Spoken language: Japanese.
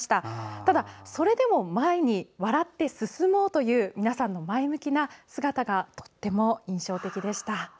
ただ、それでも前に笑って進もうという皆さんの前向きな姿がとても印象的でした。